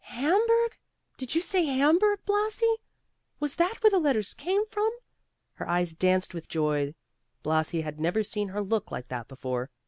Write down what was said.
"Hamburg! did you say Hamburg, Blasi? Was that where the letter came from?" Her eyes danced with joy; Blasi had never seen her look like that before.